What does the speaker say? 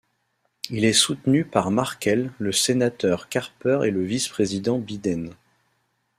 Il est soutenu par Markell, le sénateur Carper et le vice-président Biden.